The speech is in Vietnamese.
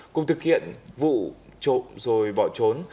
cùng thực hiện vụ trộm rồi bỏ trốn